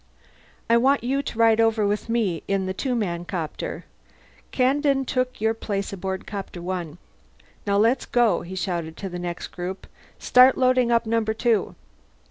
"I want you to ride over with me in the two man copter. Kandin took your place aboard Copter One. Let's go now," he shouted to the next group. "Start loading up Number Two."